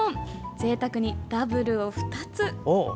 ぜいたくにダブルを２つ。